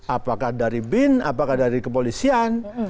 apakah dari bin apakah dari kepolisian